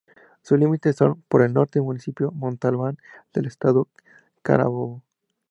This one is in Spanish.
Sus límites son: por el norte: Municipio Montalbán del Estado Carabobo.